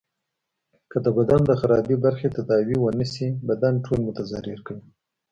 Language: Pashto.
که د بدن د خرابي برخی تداوي ونه سي بدن ټول متضرر کوي.